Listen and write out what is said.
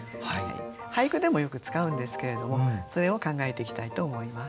俳句でもよく使うんですけれどもそれを考えていきたいと思います。